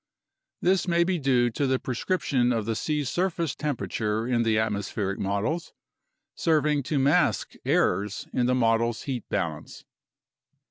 This may be due to the pre scription of the sea surface temperature in the atmospheric models, serving to mask errors in the models' heat balance.